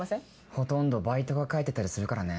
ほとんどバイトが書いてたりするからね。